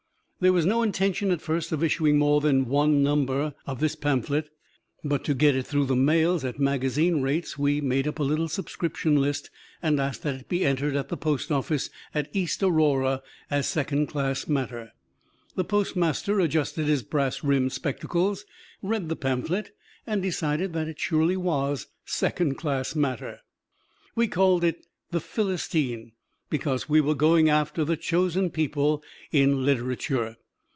There was no intention at first of issuing more than one number of this pamphlet, but to get it through the mails at magazine rates we made up a little subscription list and asked that it be entered at the post office at East Aurora as second class matter. The postmaster adjusted his brass rimmed spectacles, read the pamphlet, and decided that it surely was second class matter. We called it "The Philistine" because we were going after the "Chosen People" in literature.